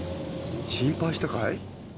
心配したかい？